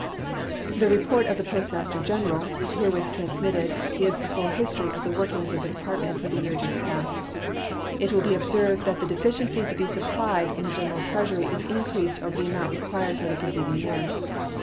The report of the Postmaster General herewith transmitted gives a full history of the workings of the Department for the year just past. It will be observed that the deficiency to be supplied from the General Treasury is increased over the amount required for the preceding year.